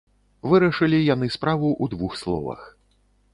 Вырашылі яны справу ў двух словах.